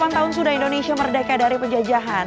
tujuh puluh delapan tahun sudah indonesia merdeka dari penjajahan